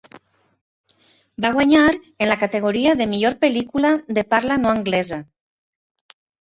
Va guanyar en la categoria de Millor pel·lícula de parla no anglesa.